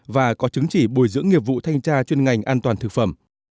và có chứng chỉ bồi dưỡng nghiệp vụ thanh tra chuyên ngành an toàn thực phẩm